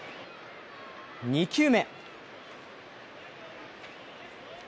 ２球目。